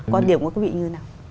quan điểm của quý vị như thế nào